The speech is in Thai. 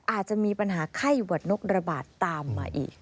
อาจจะมีปัญหาไข้หวัดนกระบาดตามมาอีก